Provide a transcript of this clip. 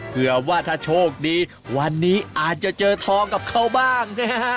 เพื่อว่าถ้าโชคดีวันนี้อาจจะเจอทองกับเขาบ้างนะฮะ